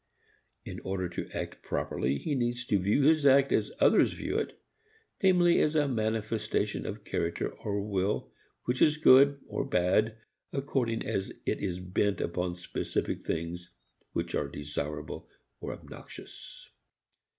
In order to act properly he needs to view his act as others view it; namely, as a manifestation of a character or will which is good or bad according as it is bent upon specific things which are desirable or obnoxious.